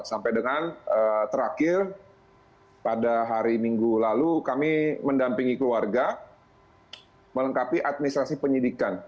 sampai dengan terakhir pada hari minggu lalu kami mendampingi keluarga melengkapi administrasi penyidikan